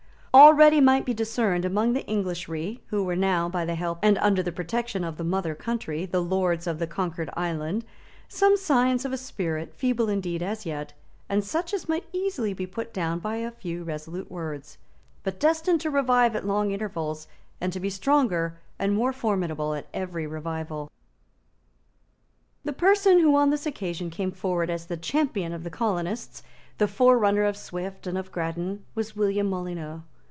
Already might be discerned among the Englishry, who were now, by the help and under the protection of the mother country, the lords of the conquered island, some signs of a spirit, feeble indeed, as yet, and such as might easily be put down by a few resolute words, but destined to revive at long intervals, and to be stronger and more formidable at every revival. The person who on this occasion came forward as the champion of the colonists, the forerunner of Swift and of Grattan, was William Molyneux.